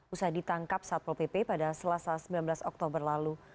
usaha ditangkap saat pol pp pada selasa sembilan belas oktober lalu